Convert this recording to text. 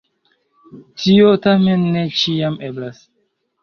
Tio tamen ne ĉiam eblas.